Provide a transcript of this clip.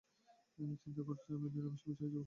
চিন্তা করছি আমিও নিরামিষভোজী হয়ে যাব।